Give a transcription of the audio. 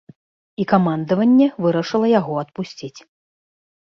І камандаванне вырашыла яго адпусціць.